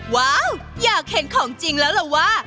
ว้าวอยากเห็นของจริงแล้วล่ะว่า